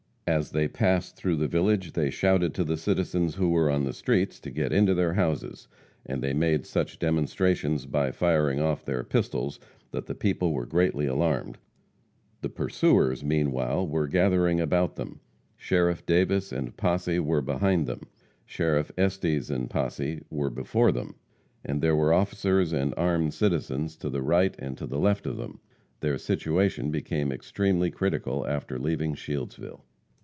As they passed through the village, they shouted to the citizens who were on the streets to get into their houses, and they made such demonstrations by firing off their pistols that the people were greatly alarmed. The pursuers meanwhile were gathering about them. Sheriff Davis and posse were behind them; Sheriff Estes and posse were before them, and there were officers and armed citizens to the right and to the left of them. Their situation became extremely critical after leaving Shieldsville.